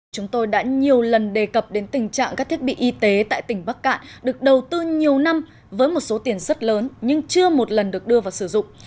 chúng tôi đã nhiều lần đề cập đến tình trạng các thiết bị y tế tại tỉnh bắc cạn được đầu tư nhiều năm với một số tiền rất lớn nhưng chưa một lần được đưa vào sử dụng